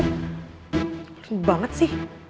gila banget sih